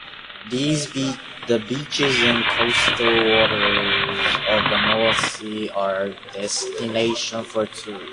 The beaches and coastal waters of the North Sea are destinations for tourists.